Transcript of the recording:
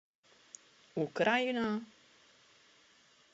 Ukrajina?